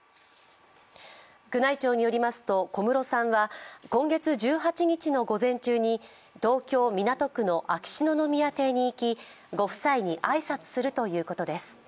宮内庁によりますと小室さんは今月１８日の午前中に東京・港区の秋篠宮邸に行きご夫妻に挨拶するということです。